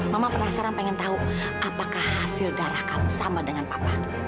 mama penasaran pengen tahu apakah hasil darah kamu sama dengan papa